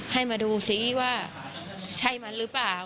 ให้มาดูซิว่าใช่มันหรือเปล่า